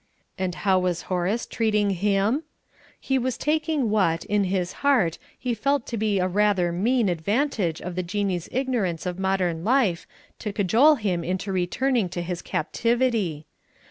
And how was Horace treating him? He was taking what, in his heart, he felt to be a rather mean advantage of the Jinnee's ignorance of modern life to cajole him into returning to his captivity.